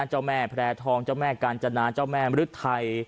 เจ้าแม่แพร่ทองเจ้าแม่กาญจนาเจ้าแม่มรึทัย